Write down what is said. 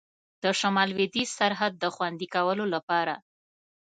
د شمال لوېدیځ سرحد د خوندي کولو لپاره.